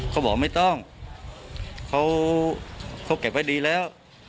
เขาบอกไม่ต้องเขาเก็บไว้ดีแล้ว